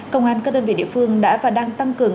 công an các đơn vị địa phương đã và đang tăng cường